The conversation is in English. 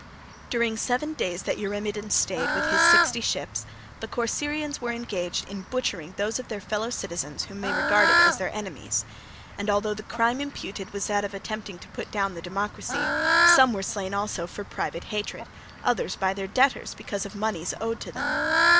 During seven days that Eurymedon stayed with his sixty ships, the Corcyraeans were engaged in butchering those of their fellow citizens whom they regarded as their enemies: and although the crime imputed was that of attempting to put down the democracy, some were slain also for private hatred, others by their debtors because of the moneys owed to them.